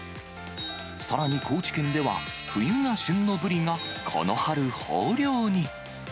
さらに高知県では、冬が旬のブリが、この春豊漁に。